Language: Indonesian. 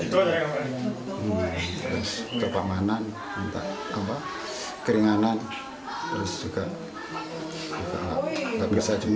terus ke pamanan keringanan terus juga nggak bisa juga